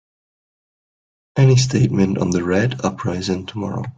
Any statement on the Red uprising tomorrow?